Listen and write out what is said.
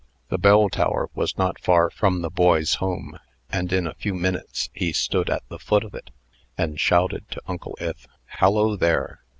The bell tower was not far from the boy's home, and in a few minutes he stood at the foot of it, and shouted to Uncle Ith: "Hallo, there!"